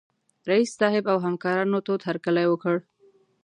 رييس صاحب او همکارانو تود هرکلی وکړ.